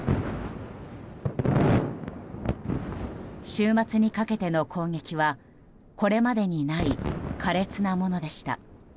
週末にかけての攻撃はこれまでにない苛烈なものでした。